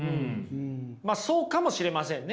まあそうかもしれませんね。